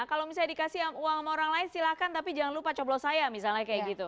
kalau misalnya dikasih uang sama orang lain silahkan tapi jangan lupa coblos saya misalnya kayak gitu